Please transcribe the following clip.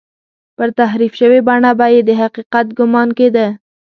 پر تحریف شوې بڼه به یې د حقیقت ګومان کېده.